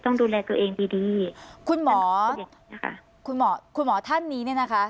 ต้องดูแลตัวเองดีดีคุณหมอคุณหมอท่านนี้เนี่ยนะคะ